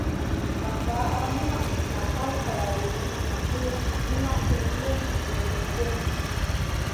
Nan var al numaʼ ma kal hadawi ki numaʼ hin lum zi kègèda bunu.